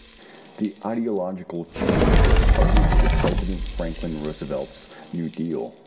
This ideological change was partly due to President Franklin Roosevelt's New Deal.